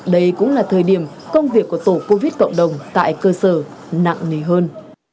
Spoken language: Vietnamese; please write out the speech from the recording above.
đây cũng là thời điểm công việc của tổ covid cộng đồng tại cơ sở nặng nề hơn